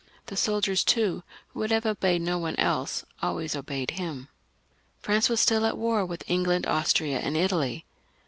The soldiers, too, who would have obeyed no one else, always obeyed him. France was still at war with England, Austria, and Italy.